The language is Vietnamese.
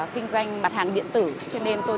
kinh doanh mặt hàng điện tử cho nên tôi